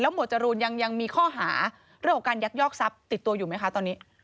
หวดจรูนยังมีข้อหาเรื่องของการยักยอกทรัพย์ติดตัวอยู่ไหมคะตอนนี้